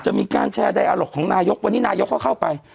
มีการแชร์ใดอาหลกของนายกวันนี้นายกก็เข้าไป